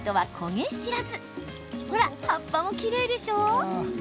ほら葉っぱもきれいでしょう。